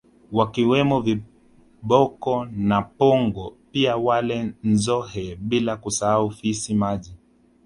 Wakiwemo Viboko na Pongo pia wale Nzohe bila kusahau Fisi maji